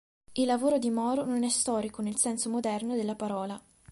Il lavoro di Moro non è storico nel senso moderno della parola.